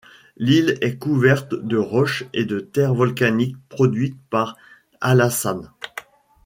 L'île est couverte de roches et de terres volcaniques produites par Hallasan.